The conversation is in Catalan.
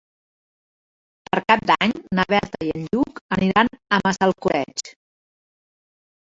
Per Cap d'Any na Berta i en Lluc aniran a Massalcoreig.